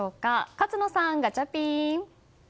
勝野さん、ガチャピン！